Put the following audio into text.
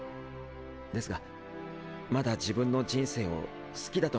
ですがまだ自分の人生を好きだとまでは思えていません。